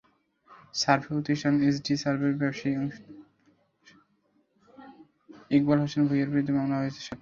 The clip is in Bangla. সার্ভে প্রতিষ্ঠান এসডি সার্ভের ব্যবসায়িক অংশীদার ইকবাল হোসেন ভূঁইয়ার বিরুদ্ধে মামলা হয়েছে সাতটি।